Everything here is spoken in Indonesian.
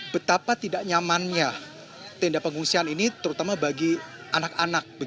betapa tidak nyamannya tenda pengungsian ini terutama bagi anak anak